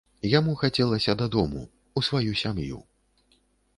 Яму хацелася дадому, у сваю сям'ю.